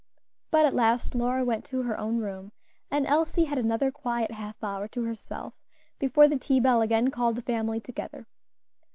But at last Lora went to her own room, and Elsie had another quiet half hour to herself before the tea bell again called the family together.